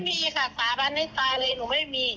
ไม่มีค่ะสาบานให้ตายเลยหนูไม่มี